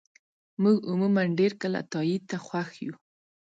موږ عموماً ډېر کله تایید ته خوښ یو.